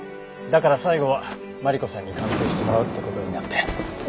だから最後はマリコさんに鑑定してもらうって事になって。